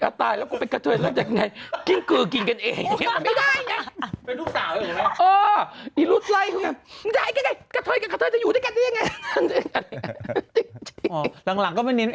อ้าวตายแล้วก็ไปกะเทยแล้วจะยังไง